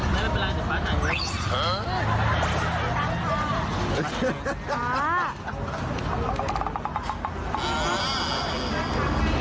นั่นไม่เป็นไรแต่ปลาจ่ายด้วย